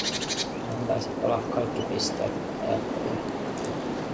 Näihin taisi palaa kaikki pisteet, ajattelin.